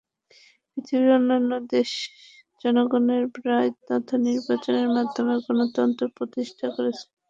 পৃথিবীর অন্যান্য দেশ জনগণের রায় তথা নির্বাচনের মাধ্যমে গণতন্ত্র প্রতিষ্ঠা করেছে।